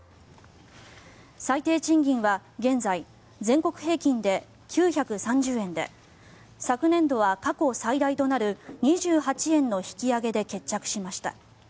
最低賃金は現在、全国平均で９３０円で昨年度は過去最大となる２８円の引き上げで決着しました。